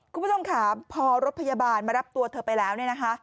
คุณผู้ชมขอบพอรถพยาบาลมารับตัวเธอไปแล้ว